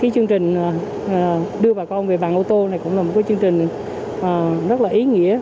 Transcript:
chương trình đưa bà con về bàn ô tô này cũng là một chương trình rất là ý nghĩa